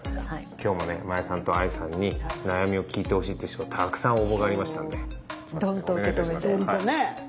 今日もね真矢さんとＡＩさんに悩みを聞いてほしいっていう人からたくさん応募がありましたので。